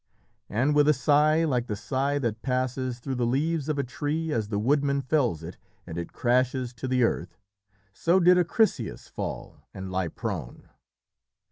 And with a sigh like the sigh that passes through the leaves of a tree as the woodman fells it and it crashes to the earth, so did Acrisius fall and lie prone.